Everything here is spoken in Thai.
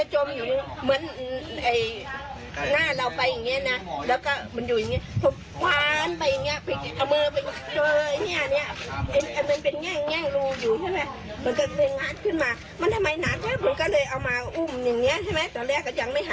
ตอนนั้นก็มาเรียก